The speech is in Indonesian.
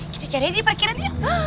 kita cari dia di parkiran yuk